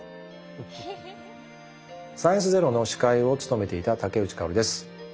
「サイエンスＺＥＲＯ」の司会を務めていた竹内薫です。